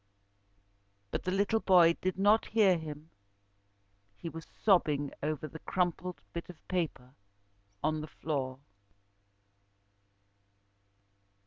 But the little boy did not hear him, he was sobbing over the crumpled bit of paper on the floor.